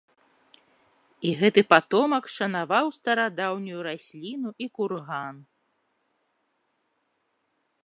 І гэты патомак шанаваў старадаўнюю расліну і курган.